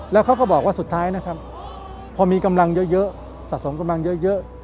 แล้วเขาก็บอกว่าสุดท้ายนะครับพอมีกำลังเยอะสะสมกำลังเยอะ